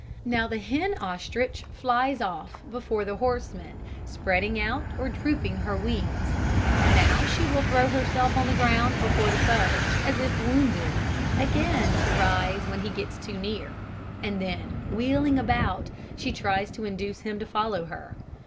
Now the hen ostrich flies off before the horseman, spreading out or drooping her wings. Now she will throw herself on the ground before the foe, as if wounded, again to rise when he gets too near; and then, wheeling about, she tries to induce him to follow her.